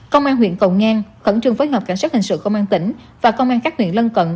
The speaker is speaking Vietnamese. công an huyện cầu ngang khẩn trương phối hợp cảnh sát hình sự công an tỉnh và công an các huyện lân cận